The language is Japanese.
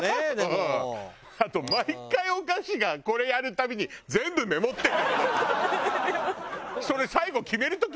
あと毎回お菓子がこれやるたびに全部メモってる。